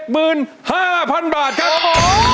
๕๐๐๐บาทครับผม